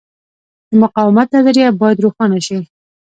د مقاومت نظریه باید روښانه شي.